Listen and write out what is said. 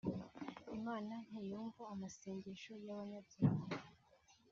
Imana ntiyumva amasengesho y'abanyabyaha